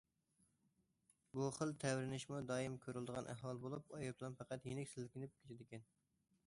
بۇ خىل تەۋرىنىشمۇ دائىم كۆرۈلىدىغان ئەھۋال بولۇپ، ئايروپىلان پەقەت يېنىك سىلكىنىپ كېتىدىكەن.